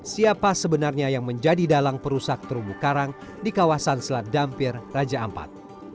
siapa sebenarnya yang menjadi dalang perusak terumbu karang di kawasan selat dampir raja ampat